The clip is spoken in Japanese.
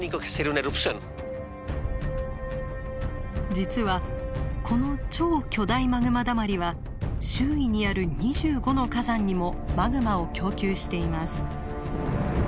実はこの超巨大マグマだまりは周囲にある２５の火山にもマグマを供給しています。